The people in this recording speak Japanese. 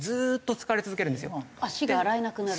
足が洗えなくなる。